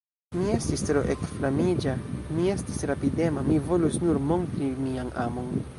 Mi estis tro ekflamiĝa, mi estis rapidema, mi volus nur montri mian amon.